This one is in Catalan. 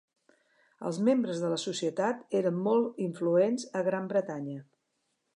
Els membres de la societat eren molt influents a Gran Bretanya.